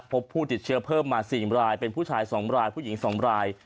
พบผู้ติดเชื้อเพิ่มมา๔รายเป็นผู้ชาย๒รายผู้หญิง๒ราย